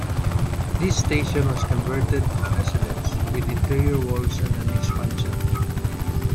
This station was converted to a residence, with interior walls and an expansion.